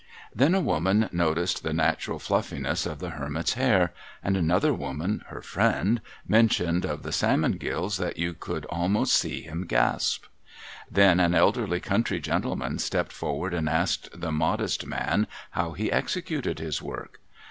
Then, a woman noticed the natural fluffiness of the hermit's hair, and another woman, her friend, mentioned of the salmon's gills that you could almost see him gasp. Then, an elderly country gentleman stepped forward and asked the modest man how he executed his work